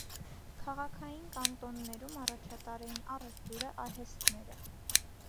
Քաղաքային կանտոններում առաջատար էին առևտուրը, արհեստները։